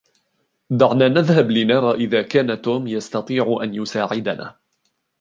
دعنا نذهب لنرى إذا كان توم يستطيع أن يساعدنا.